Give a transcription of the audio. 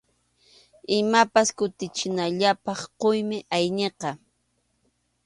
Imapas kutichinallapaq quymi ayniqa.